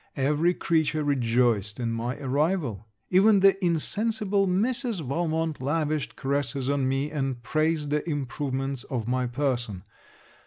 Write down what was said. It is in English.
Every creature rejoiced in my arrival. Even the insensible Mrs. Valmont lavished caresses on me, and praised the improvements of my person.